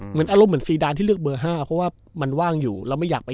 เหมือนอารมณ์เหมือนซีดานที่เลือกเบอร์๕เพราะว่ามันว่างอยู่เราไม่อยากไป